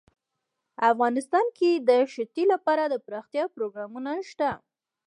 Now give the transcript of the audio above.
افغانستان کې د ښتې لپاره دپرمختیا پروګرامونه شته.